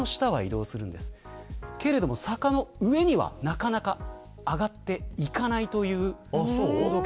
けれども坂の上にはなかなか上がっていかないという統計。